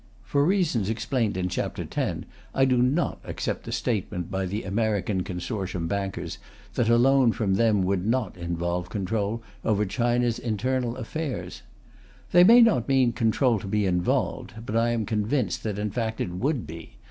(For reasons explained in Chap. X., I do not accept the statement by the American consortium bankers that a loan from them would not involve control over China's internal affairs. They may not mean control to be involved, but I am convinced that in fact it would be.)